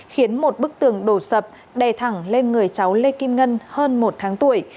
khiến một bức tường đổ sập đè thẳng lên người cháu lê kim ngân hơn một tháng tuổi